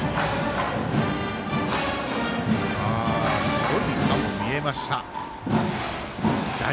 白い歯も見えました。